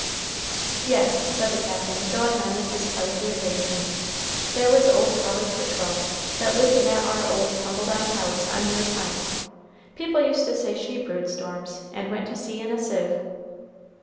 "Yes," said the Captain, going on with his part of the arrangement, "there was old Polly Twitchell, that lived in that ar old tumble down house on Mure P'int; people used to say she brewed storms, and went to sea in a sieve."